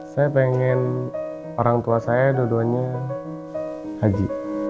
saya pengen orang tua saya dua duanya haji